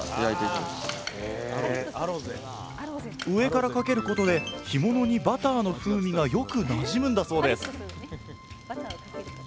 上からかけることで干物にバターの風味がよくなじむんだそうです